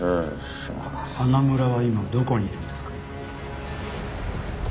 花村は今どこにいるんですか？